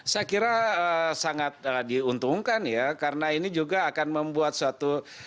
saya kira sangat diuntungkan ya karena ini juga akan membuat suatu